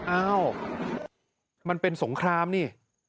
อ้าวมันเป็นสงครามนี่